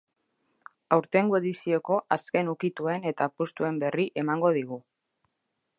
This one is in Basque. Aurtengo edizioko azken ukituen eta apustuen berri emango digu.